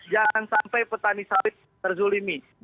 jangan sampai petani sawit terzolimi